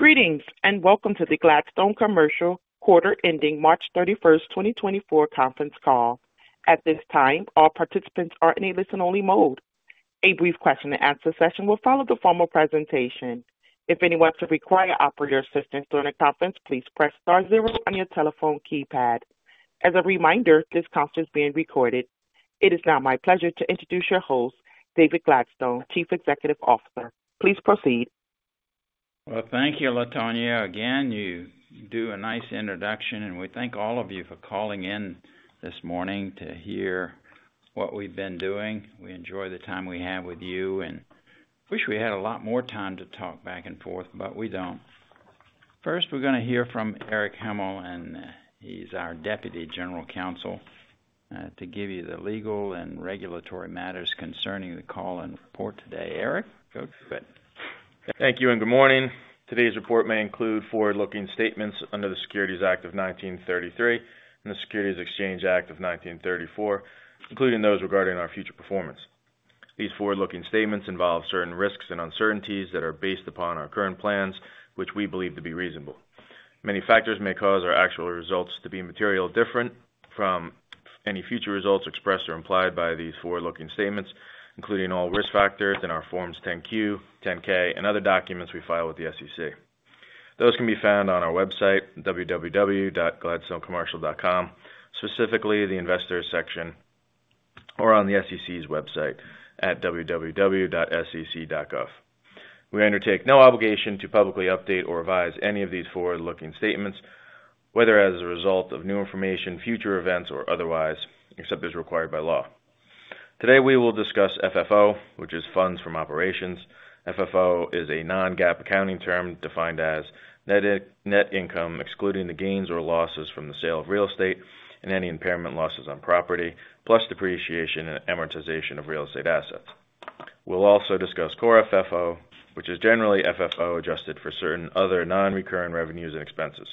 Greetings, and welcome to the Gladstone Commercial quarter ending March 31, 2024 conference call. At this time, all participants are in a listen-only mode. A brief question and answer session will follow the formal presentation. If anyone wants to require operator assistance during the conference, please press star zero on your telephone keypad. As a reminder, this conference is being recorded. It is now my pleasure to introduce your host, David Gladstone, Chief Executive Officer. Please proceed. Well, thank you, Latonya. Again, you do a nice introduction, and we thank all of you for calling in this morning to hear what we've been doing. We enjoy the time we have with you, and wish we had a lot more time to talk back and forth, but we don't. First, we're gonna hear from Erich Hellmold, and he's our Deputy General Counsel to give you the legal and regulatory matters concerning the call and report today. Erich, go for it. Thank you, and good morning. Today's report may include forward-looking statements under the Securities Act of 1933 and the Securities Exchange Act of 1934, including those regarding our future performance. These forward-looking statements involve certain risks and uncertainties that are based upon our current plans, which we believe to be reasonable. Many factors may cause our actual results to be materially different from any future results expressed or implied by these forward-looking statements, including all risk factors in our Forms 10-Q, 10-K, and other documents we file with the SEC. Those can be found on our website, www.gladstonecommercial.com, specifically the Investors section, or on the SEC's website at www.sec.gov. We undertake no obligation to publicly update or revise any of these forward-looking statements, whether as a result of new information, future events, or otherwise, except as required by law. Today, we will discuss FFO, which is funds from operations. FFO is a non-GAAP accounting term defined as net income, excluding the gains or losses from the sale of real estate and any impairment losses on property, plus depreciation and amortization of real estate assets. We'll also discuss core FFO, which is generally FFO adjusted for certain other non-recurring revenues and expenses.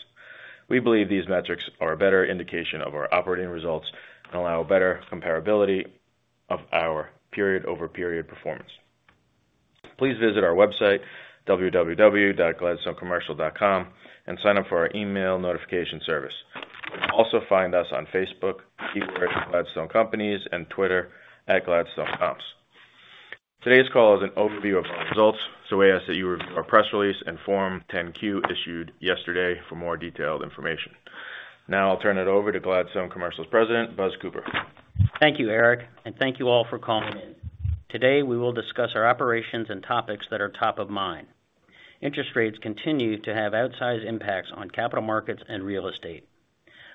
We believe these metrics are a better indication of our operating results and allow better comparability of our period-over-period performance. Please visit our website, www.gladstonecommercial.com, and sign up for our email notification service. Also, find us on Facebook, keyword Gladstone Companies, and Twitter, @GladstoneComps. Today's call is an overview of our results, so we ask that you review our press release and Form 10-Q issued yesterday for more detailed information. Now I'll turn it over to Gladstone Commercial's President, Buzz Cooper. Thank you, Eric, and thank you all for calling in. Today, we will discuss our operations and topics that are top of mind. Interest rates continue to have outsized impacts on capital markets and real estate.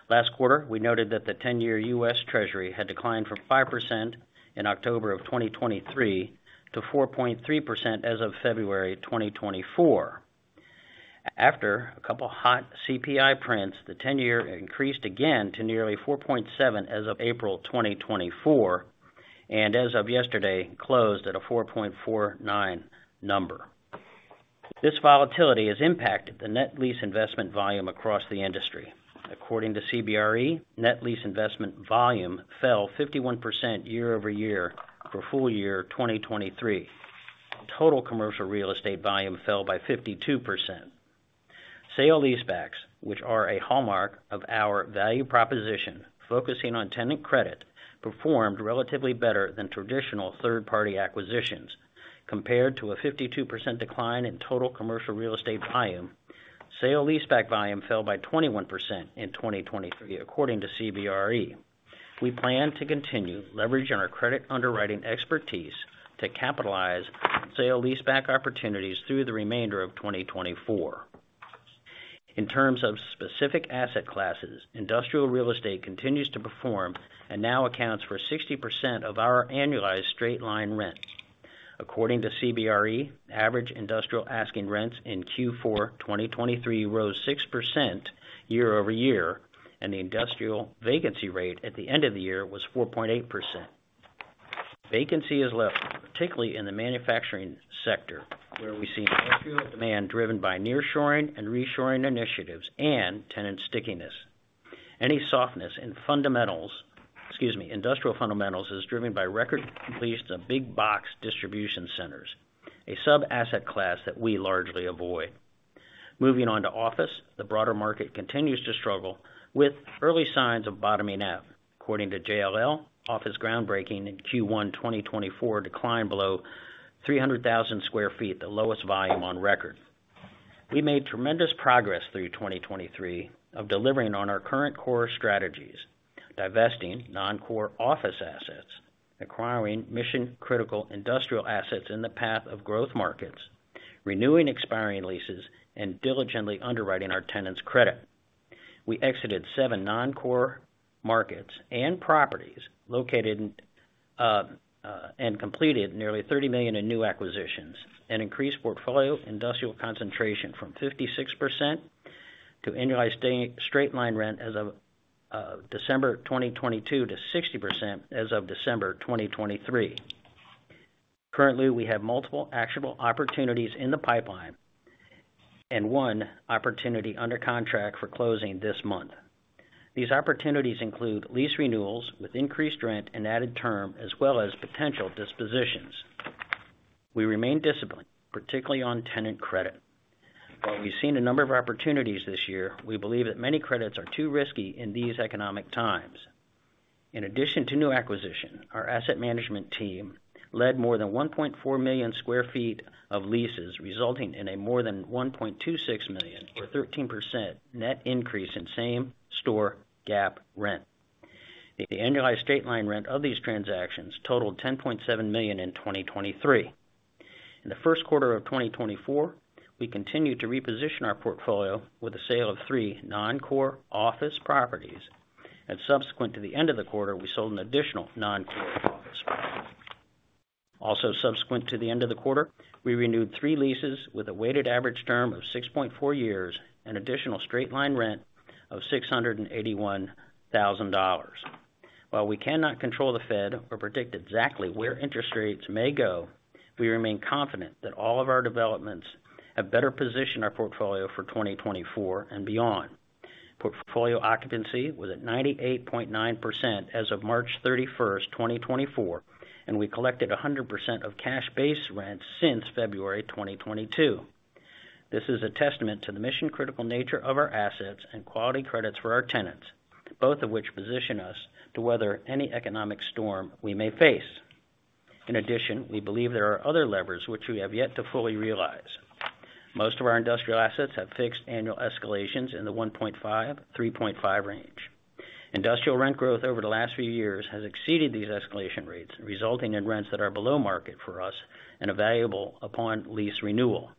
Last quarter, we noted that the ten-year U.S. Treasury had declined from 5% in October 2023 to 4.3% as of February 2024. After a couple hot CPI prints, the ten-year increased again to nearly 4.7% as of April 2024, and as of yesterday, closed at a 4.49% number. This volatility has impacted the net lease investment volume across the industry. According to CBRE, net lease investment volume fell 51% year-over-year for full year 2023. Total commercial real estate volume fell by 52%. Sale leasebacks, which are a hallmark of our value proposition, focusing on tenant credit, performed relatively better than traditional third-party acquisitions. Compared to a 52% decline in total commercial real estate volume, sale leaseback volume fell by 21% in 2023, according to CBRE. We plan to continue leveraging our credit underwriting expertise to capitalize sale leaseback opportunities through the remainder of 2024. In terms of specific asset classes, industrial real estate continues to perform and now accounts for 60% of our annualized straight-line rent. According to CBRE, average industrial asking rents in Q4 2023 rose 6% year over year, and the industrial vacancy rate at the end of the year was 4.8%. Vacancy is left, particularly in the manufacturing sector, where we see demand driven by nearshoring and reshoring initiatives and tenant stickiness. Any softness in fundamentals... Excuse me, industrial fundamentals is driven by record lease to big box distribution centers, a sub-asset class that we largely avoid. Moving on to office, the broader market continues to struggle with early signs of bottoming out. According to JLL, office groundbreaking in Q1 2024 declined below 300,000 sq ft, the lowest volume on record. We made tremendous progress through 2023 of delivering on our current core strategies, divesting non-core office assets, acquiring mission-critical industrial assets in the path of growth markets, renewing expiring leases, and diligently underwriting our tenants' credit. We exited seven non-core markets and properties located in and completed nearly $30 million in new acquisitions and increased portfolio industrial concentration from 56% to annualized straight-line rent as of December 2022 to 60% as of December 2023. Currently, we have multiple actionable opportunities in the pipeline and one opportunity under contract for closing this month. These opportunities include lease renewals with increased rent and added term, as well as potential dispositions. We remain disciplined, particularly on tenant credit. While we've seen a number of opportunities this year, we believe that many credits are too risky in these economic times. In addition to new acquisition, our asset management team led more than 1.4 million sq ft of leases, resulting in a more than 1.26 million, or 13%, net increase in same-store GAAP rent. The annualized straight-line rent of these transactions totaled $10.7 million in 2023. In the first quarter of 2024, we continued to reposition our portfolio with the sale of 3 non-core office properties, and subsequent to the end of the quarter, we sold an additional non-core office. Also, subsequent to the end of the quarter, we renewed 3 leases with a weighted average term of 6.4 years, an additional straight-line rent of $681,000. While we cannot control the Fed or predict exactly where interest rates may go, we remain confident that all of our developments have better positioned our portfolio for 2024 and beyond. Portfolio occupancy was at 98.9% as of March 31, 2024, and we collected 100% of cash base rent since February 2022. This is a testament to the mission-critical nature of our assets and quality credits for our tenants, both of which position us to weather any economic storm we may face. In addition, we believe there are other levers which we have yet to fully realize. Most of our industrial assets have fixed annual escalations in the 1.5-3.5 range. Industrial rent growth over the last few years has exceeded these escalation rates, resulting in rents that are below market for us and valuable upon lease renewal.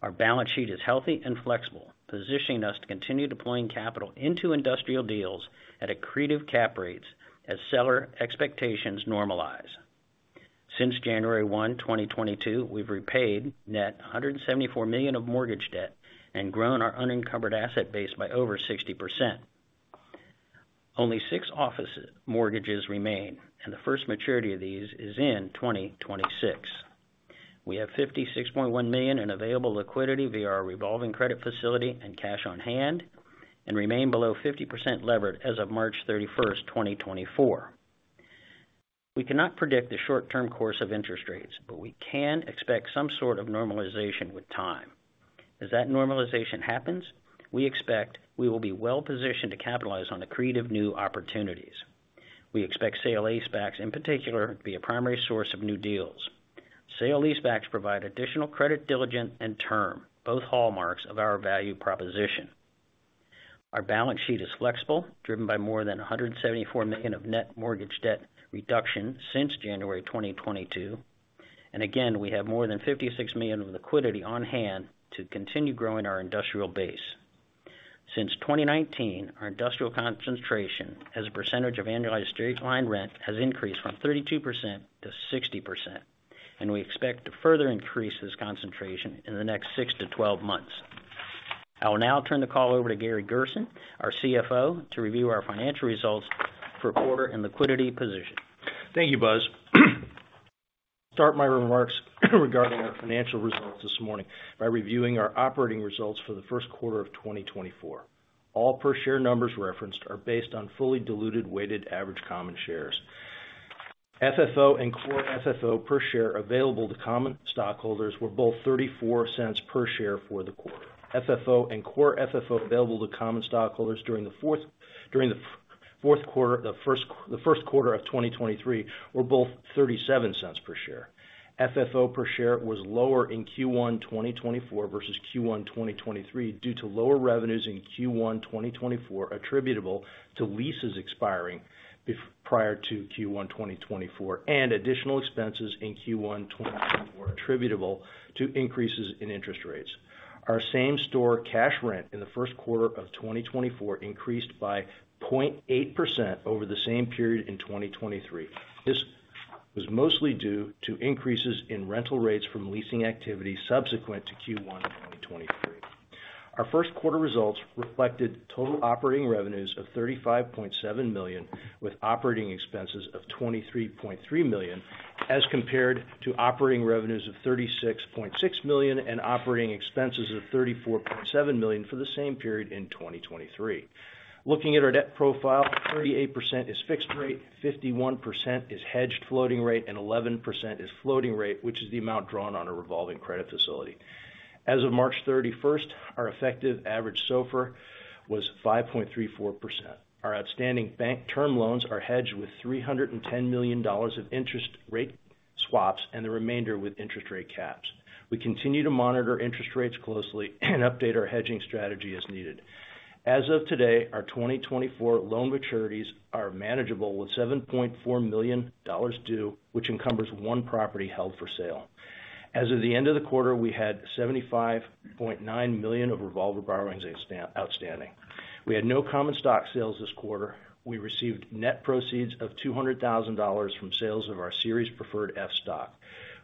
Our balance sheet is healthy and flexible, positioning us to continue deploying capital into industrial deals at accretive cap rates as seller expectations normalize. Since January 1, 2022, we've repaid net $174 million of mortgage debt and grown our unencumbered asset base by over 60%. Only 6 office mortgages remain, and the first maturity of these is in 2026. We have $56.1 million in available liquidity via our revolving credit facility and cash on hand, and remain below 50% levered as of March 31, 2024. We cannot predict the short-term course of interest rates, but we can expect some sort of normalization with time. As that normalization happens, we expect we will be well-positioned to capitalize on the accretive new opportunities. We expect sale-leasebacks, in particular, to be a primary source of new deals. Sale-leasebacks provide additional credit, diligence, and term, both hallmarks of our value proposition. Our balance sheet is flexible, driven by more than $174 million of net mortgage debt reduction since January 2022. Again, we have more than $56 million of liquidity on hand to continue growing our industrial base. Since 2019, our industrial concentration as a percentage of annualized straight-line rent has increased from 32% to 60%, and we expect to further increase this concentration in the next 6-12 months. I will now turn the call over to Gary Gerson, our CFO, to review our financial results for quarter and liquidity position. Thank you, Buzz. I'll start my remarks regarding our financial results this morning by reviewing our operating results for the first quarter of 2024. All per share numbers referenced are based on fully diluted weighted average common shares. FFO and core FFO per share available to common stockholders were both $0.34 per share for the quarter. FFO and core FFO available to common stockholders during the first quarter of 2023 were both $0.37 per share. FFO per share was lower in Q1 2024 versus Q1 2023 due to lower revenues in Q1 2024, attributable to leases expiring prior to Q1 2024, and additional expenses in Q1 2024, attributable to increases in interest rates. Our same store cash rent in the first quarter of 2024 increased by 0.8% over the same period in 2023. This was mostly due to increases in rental rates from leasing activity subsequent to Q1 of 2023. Our first quarter results reflected total operating revenues of $35.7 million, with operating expenses of $23.3 million, as compared to operating revenues of $36.6 million and operating expenses of $34.7 million for the same period in 2023. Looking at our debt profile, 38% is fixed rate, 51% is hedged floating rate, and 11% is floating rate, which is the amount drawn on a revolving credit facility. As of March 31st, our effective average SOFR was 5.34%. Our outstanding bank term loans are hedged with $310 million of interest rate swaps and the remainder with interest rate caps. We continue to monitor interest rates closely and update our hedging strategy as needed. As of today, our 2024 loan maturities are manageable, with $7.4 million due, which encumbers one property held for sale. As of the end of the quarter, we had $75.9 million of revolver borrowings outstanding. We had no common stock sales this quarter. We received net proceeds of $200,000 from sales of our Series F Preferred Stock.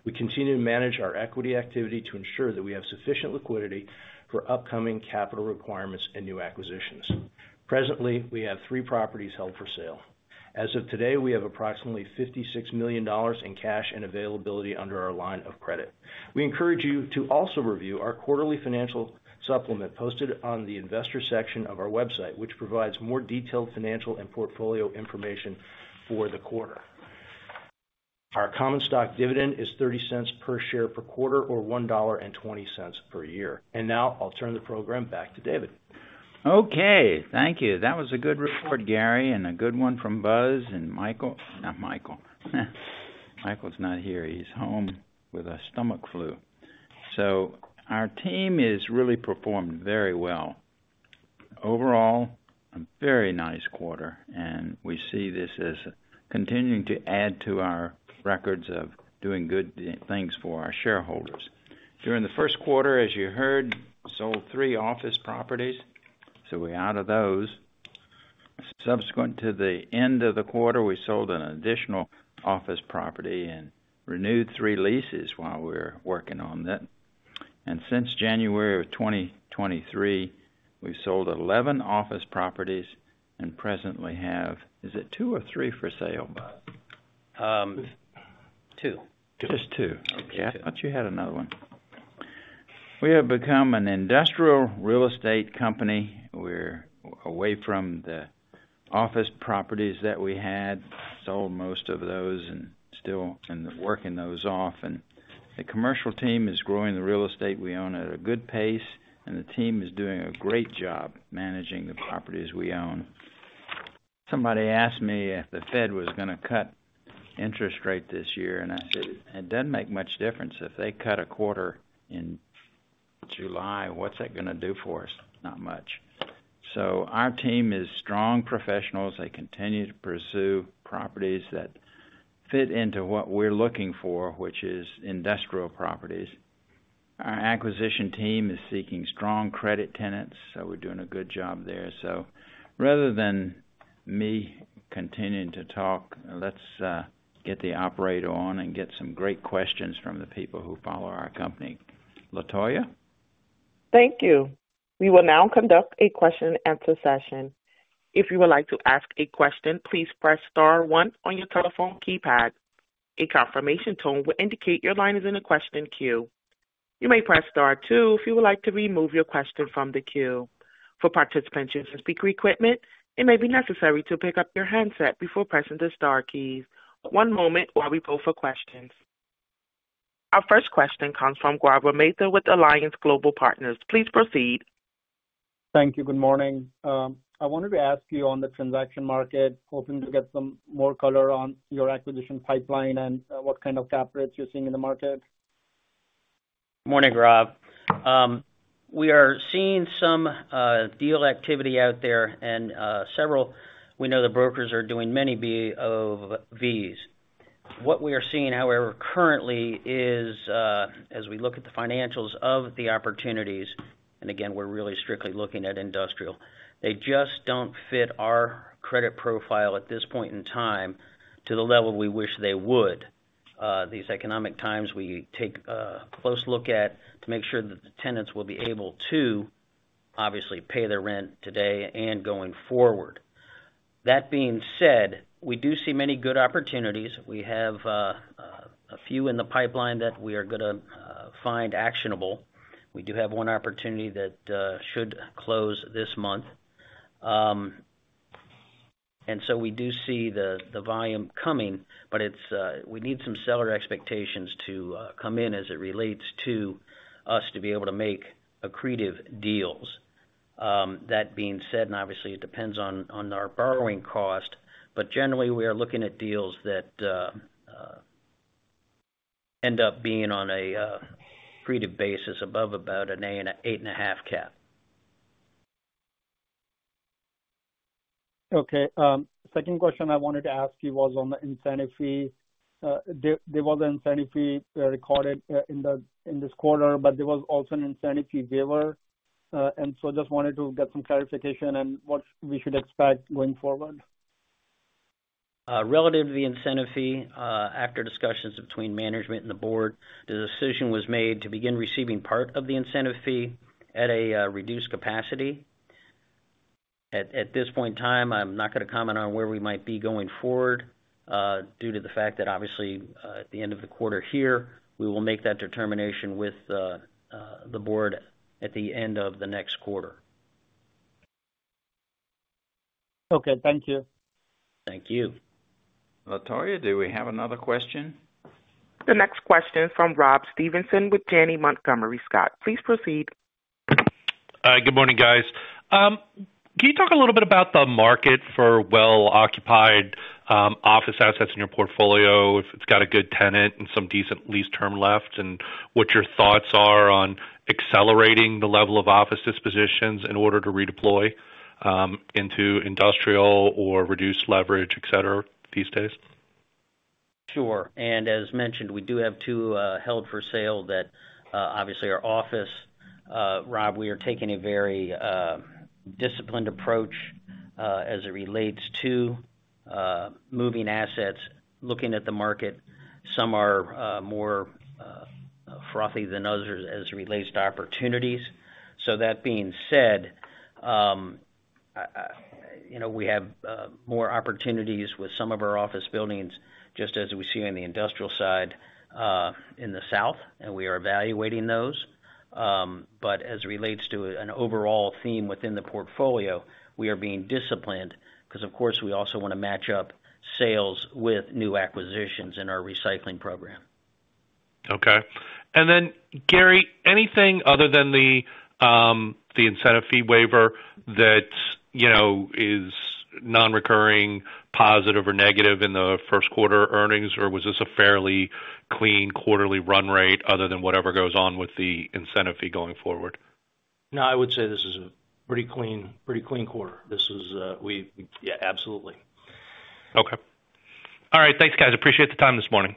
We continue to manage our equity activity to ensure that we have sufficient liquidity for upcoming capital requirements and new acquisitions. Presently, we have three properties held for sale. ...As of today, we have approximately $56 million in cash and availability under our line of credit. We encourage you to also review our quarterly financial supplement, posted on the investor section of our website, which provides more detailed financial and portfolio information for the quarter. Our common stock dividend is $0.30 per share per quarter, or $1.20 per year. Now I'll turn the program back to David. Okay, thank you. That was a good report, Gary, and a good one from Buzz and Michael. Not Michael. Michael's not here. He's home with a stomach flu. So our team has really performed very well. Overall, a very nice quarter, and we see this as continuing to add to our records of doing good things for our shareholders. During the first quarter, as you heard, we sold 3 office properties, so we're out of those. Subsequent to the end of the quarter, we sold an additional office property and renewed 3 leases while we were working on that. And since January of 2023, we've sold 11 office properties and presently have... Is it 2 or 3 for sale, Buzz? Um, two. Just two. Okay. I thought you had another one. We have become an industrial real estate company. We're away from the office properties that we had, sold most of those and still kind of working those off. And the commercial team is growing the real estate we own at a good pace, and the team is doing a great job managing the properties we own. Somebody asked me if the Fed was going to cut interest rate this year, and I said, "It doesn't make much difference. If they cut a quarter in July, what's that going to do for us? Not much." So our team is strong professionals. They continue to pursue properties that fit into what we're looking for, which is industrial properties. Our acquisition team is seeking strong credit tenants, so we're doing a good job there. So rather than me continuing to talk, let's get the operator on and get some great questions from the people who follow our company. Latonya? Thank you. We will now conduct a question-and-answer session. If you would like to ask a question, please press star one on your telephone keypad. A confirmation tone will indicate your line is in the question queue. You may press star two if you would like to remove your question from the queue. For participants using speaker equipment, it may be necessary to pick up your handset before pressing the star keys. One moment while we pull for questions. Our first question comes from Gaurav Mehta with Alliance Global Partners. Please proceed. Thank you. Good morning. I wanted to ask you on the transaction market, hoping to get some more color on your acquisition pipeline and what kind of cap rates you're seeing in the market. Morning, Gaurav. We are seeing some deal activity out there, and we know the brokers are doing many B of Vs. What we are seeing, however, currently is as we look at the financials of the opportunities, and again, we're really strictly looking at industrial, they just don't fit our credit profile at this point in time to the level we wish they would. These economic times, we take a close look at to make sure that the tenants will be able to, obviously, pay their rent today and going forward. That being said, we do see many good opportunities. We have a few in the pipeline that we are gonna find actionable. We do have one opportunity that should close this month. And so we do see the volume coming, but it's we need some seller expectations to come in as it relates to us to be able to make accretive deals. That being said, and obviously, it depends on our borrowing cost, but generally, we are looking at deals that end up being on an accretive basis above about an 8.5 cap. Okay. Second question I wanted to ask you was on the incentive fee. There was an incentive fee recorded in this quarter, but there was also an incentive fee given. And so just wanted to get some clarification on what we should expect going forward. Relative to the incentive fee, after discussions between management and the board, the decision was made to begin receiving part of the incentive fee at a reduced capacity. At this point in time, I'm not going to comment on where we might be going forward, due to the fact that obviously, at the end of the quarter here, we will make that determination with the board at the end of the next quarter. Okay. Thank you. Thank you. Latonya, do we have another question? The next question is from Rob Stevenson with Janney Montgomery Scott. Please proceed. Good morning, guys. Can you talk a little bit about the market for well-occupied office assets in your portfolio, if it's got a good tenant and some decent lease term left, and what your thoughts are on accelerating the level of office dispositions in order to redeploy into industrial or reduced leverage, et cetera, these days? Sure. And as mentioned, we do have two held for sale that obviously are office. Rob, we are taking a very disciplined approach as it relates to moving assets. Looking at the market, some are more,... frothy than others as it relates to opportunities. So that being said, you know, we have more opportunities with some of our office buildings, just as we see on the industrial side in the south, and we are evaluating those. But as it relates to an overall theme within the portfolio, we are being disciplined, because of course, we also want to match up sales with new acquisitions in our recycling program. Okay. And then, Gary, anything other than the incentive fee waiver that, you know, is non-recurring, positive or negative in the first quarter earnings? Or was this a fairly clean quarterly run rate other than whatever goes on with the incentive fee going forward? No, I would say this is a pretty clean, pretty clean quarter. This is, yeah, absolutely. Okay. All right. Thanks, guys. Appreciate the time this morning.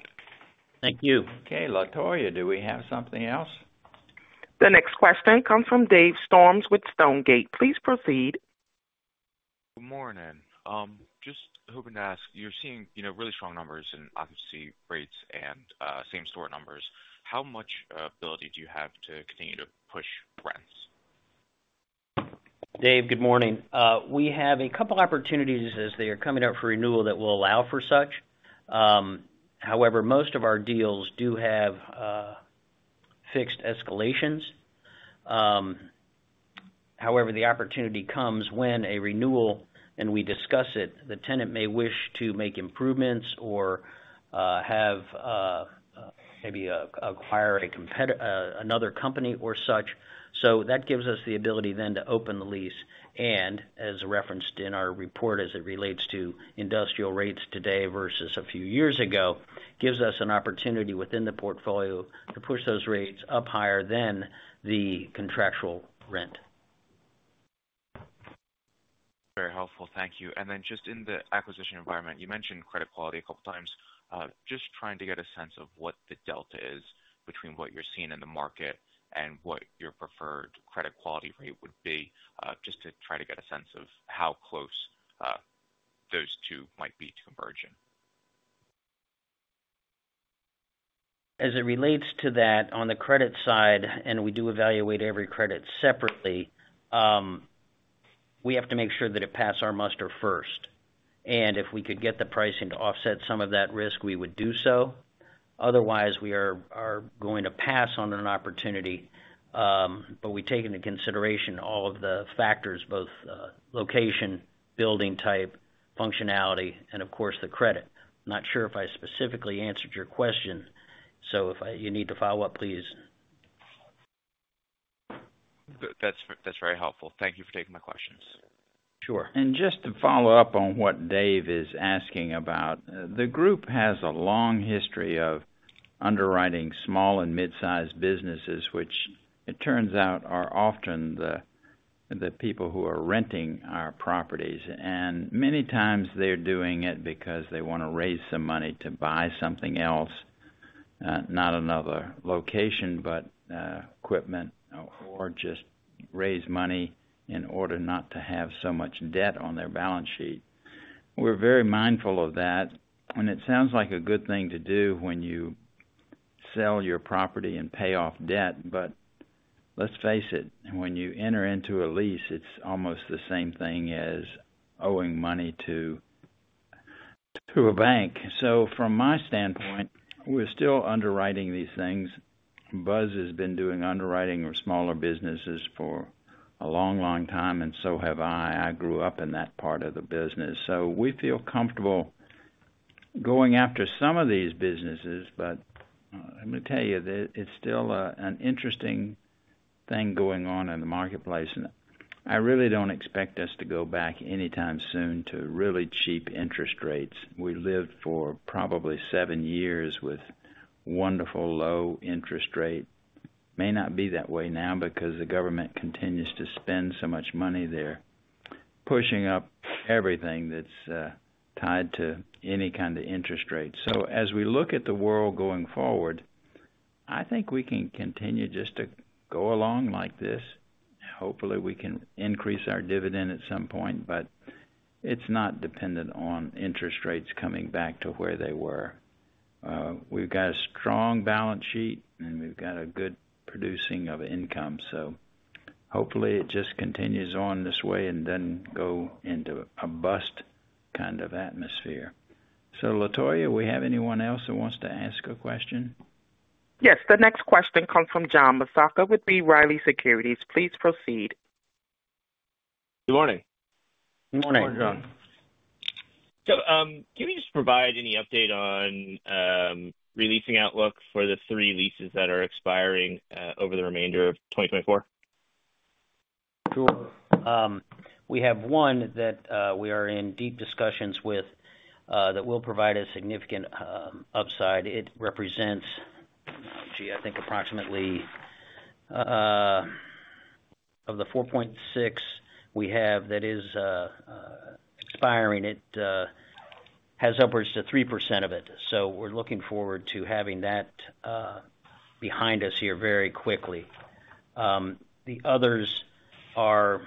Thank you. Okay, Latonya, do we have something else? The next question comes from Dave Storms with Stonegate. Please proceed. Good morning. Just hoping to ask, you're seeing, you know, really strong numbers in occupancy rates and same store numbers. How much ability do you have to continue to push rents? Dave, good morning. We have a couple opportunities as they are coming up for renewal that will allow for such. However, most of our deals do have fixed escalations. However, the opportunity comes when a renewal and we discuss it, the tenant may wish to make improvements or have maybe acquire another company or such. So that gives us the ability then to open the lease, and as referenced in our report, as it relates to industrial rates today versus a few years ago, gives us an opportunity within the portfolio to push those rates up higher than the contractual rent. Very helpful. Thank you. And then just in the acquisition environment, you mentioned credit quality a couple times. Just trying to get a sense of what the delta is between what you're seeing in the market and what your preferred credit quality rate would be, just to try to get a sense of how close those two might be to conversion? As it relates to that, on the credit side, and we do evaluate every credit separately, we have to make sure that it pass our muster first. And if we could get the pricing to offset some of that risk, we would do so. Otherwise, we are going to pass on an opportunity, but we take into consideration all of the factors, both location, building type, functionality, and of course, the credit. Not sure if I specifically answered your question, so if you need to follow up, please. That's, that's very helpful. Thank you for taking my questions. Sure. Just to follow up on what Dave is asking about, the group has a long history of underwriting small and mid-sized businesses, which it turns out, are often the people who are renting our properties. Many times they're doing it because they want to raise some money to buy something else, not another location, but equipment or just raise money in order not to have so much debt on their balance sheet. We're very mindful of that, and it sounds like a good thing to do when you sell your property and pay off debt. Let's face it, when you enter into a lease, it's almost the same thing as owing money to a bank. From my standpoint, we're still underwriting these things. Buzz has been doing underwriting of smaller businesses for a long, long time, and so have I. I grew up in that part of the business. So we feel comfortable going after some of these businesses. But, let me tell you, that it's still an interesting thing going on in the marketplace, and I really don't expect us to go back anytime soon to really cheap interest rates. We lived for probably seven years with wonderful low interest rate. May not be that way now because the government continues to spend so much money there, pushing up everything that's tied to any kind of interest rate. So as we look at the world going forward, I think we can continue just to go along like this. Hopefully, we can increase our dividend at some point, but it's not dependent on interest rates coming back to where they were. We've got a strong balance sheet, and we've got a good producing of income, so hopefully it just continues on this way and doesn't go into a bust kind of atmosphere. So, Latonya, we have anyone else who wants to ask a question? Yes, the next question comes from John Massocca with B. Riley Securities. Please proceed. Good morning. Good morning. Morning, John. So, can you just provide any update on re-leasing outlook for the three leases that are expiring over the remainder of 2024? Sure. We have one that we are in deep discussions with that will provide a significant upside. It represents, I think approximately of the 4.6 we have that is expiring, it has upwards to 3% of it. So we're looking forward to having that behind us here very quickly. The others are.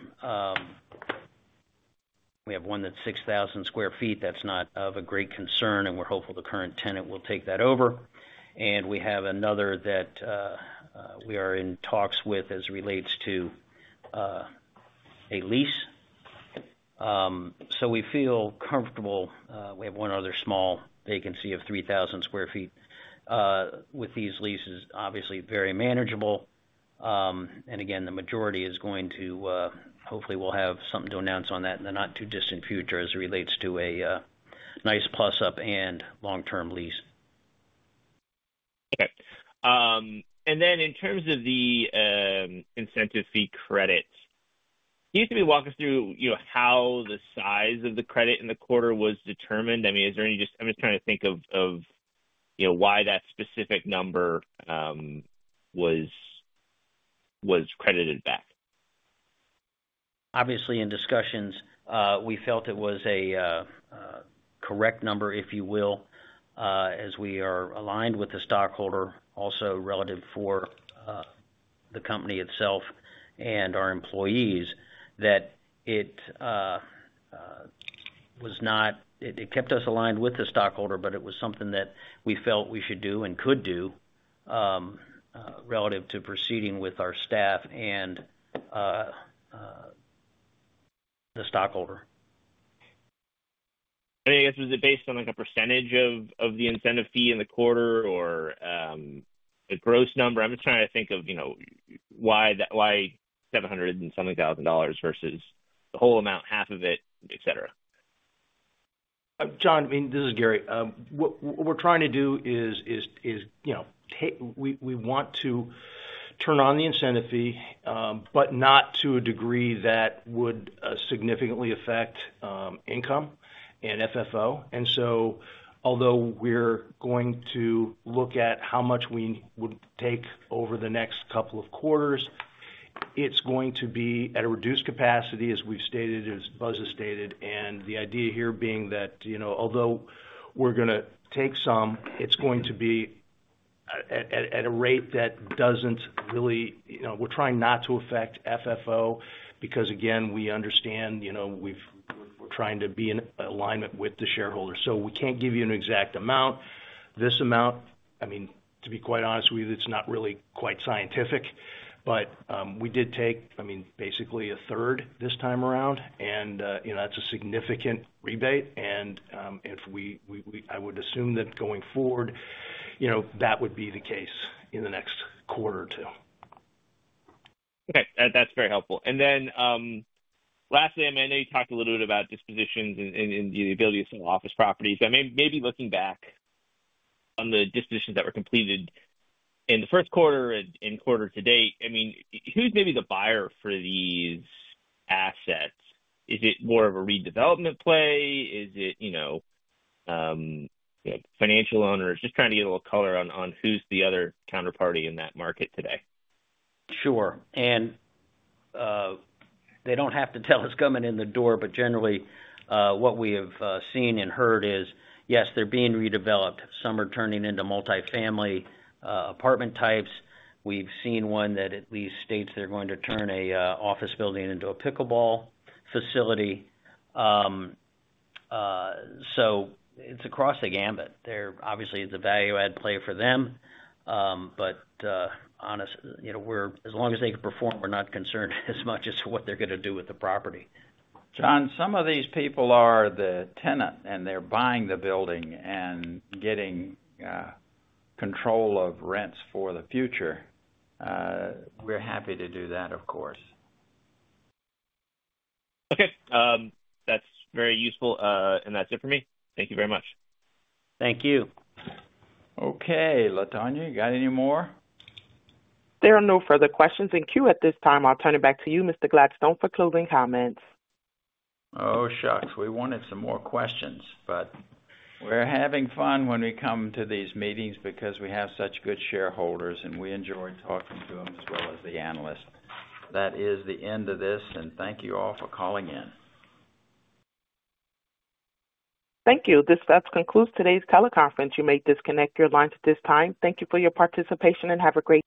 We have one that's 6,000 sq ft. That's not of a great concern, and we're hopeful the current tenant will take that over. And we have another that we are in talks with as it relates to a lease. So we feel comfortable. We have one other small vacancy of 3,000 sq ft with these leases, obviously very manageable. Again, the majority is going to, hopefully, we'll have something to announce on that in the not-too-distant future as it relates to a nice plus-up and long-term lease. Okay. Then in terms of the incentive fee credit, can you maybe walk us through, you know, how the size of the credit in the quarter was determined? I mean, is there any just. I'm just trying to think of, you know, why that specific number was credited back. Obviously, in discussions, we felt it was a correct number, if you will, as we are aligned with the stockholder, also relative for the company itself and our employees, that it kept us aligned with the stockholder, but it was something that we felt we should do and could do, relative to proceeding with our staff and the stockholder. I guess, was it based on, like, a percentage of, of the incentive fee in the quarter or, a gross number? I'm just trying to think of, you know, why that, why $700-something thousand versus the whole amount, half of it, et cetera. John, I mean, this is Gary. What we're trying to do is, you know, take... We want to turn on the incentive fee, but not to a degree that would significantly affect income and FFO. And so although we're going to look at how much we would take over the next couple of quarters, it's going to be at a reduced capacity, as we've stated, as Buzz has stated. And the idea here being that, you know, although we're gonna take some, it's going to be at a rate that doesn't really, you know, we're trying not to affect FFO, because, again, we understand, you know, we're trying to be in alignment with the shareholder. So we can't give you an exact amount. This amount, I mean, to be quite honest with you, it's not really quite scientific, but we did take, I mean, basically a third this time around, and you know, that's a significant rebate. If we I would assume that going forward, you know, that would be the case in the next quarter or two. Okay. That's very helpful. And then, lastly, I mean, I know you talked a little bit about dispositions and the ability to sell office properties, but maybe looking back on the dispositions that were completed in the first quarter and in quarter to date, I mean, who's maybe the buyer for these assets? Is it more of a redevelopment play? Is it, you know, financial owners? Just trying to get a little color on who's the other counterparty in that market today. Sure. And they don't have to tell us coming in the door, but generally what we have seen and heard is, yes, they're being redeveloped. Some are turning into multifamily apartment types. We've seen one that at least states they're going to turn a office building into a pickleball facility. So it's across the gamut. They're obviously the value add play for them. But honestly, you know, we're as long as they can perform, we're not concerned as much as what they're gonna do with the property. John, some of these people are the tenant, and they're buying the building and getting control of rents for the future. We're happy to do that, of course. Okay, that's very useful. That's it for me. Thank you very much. Thank you. Okay, Latonya, you got any more? There are no further questions in queue at this time. I'll turn it back to you, Mr. Gladstone, for closing comments. Oh, shucks, we wanted some more questions, but we're having fun when we come to these meetings because we have such good shareholders, and we enjoy talking to them as well as the analysts. That is the end of this, and thank you all for calling in. Thank you. This does conclude today's teleconference. You may disconnect your lines at this time. Thank you for your participation, and have a great day.